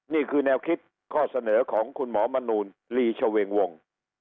นี่คือแนวคิดข้อเสนอของคุณหมอมนูลลีชเวงวง